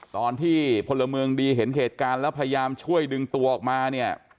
พลเมืองดีเห็นเหตุการณ์แล้วพยายามช่วยดึงตัวออกมาเนี่ย